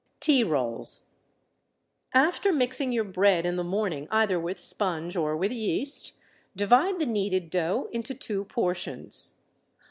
Tea Rolls. After mixing your bread in the morning either with sponge or with yeast, divide the kneaded dough into two portions.